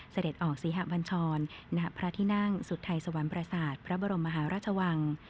เสด็จออกศรีหะบัญชรณพระที่นั่งสุทัยสวรรค์ประสาทพระบรมมหาราชวัง